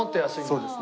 そうですね。